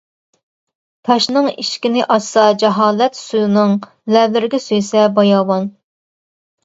تاشنىڭ ئىشىكىنى ئاچسا جاھالەت سۇنىڭ لەۋلىرىگە سۆيسە باياۋان.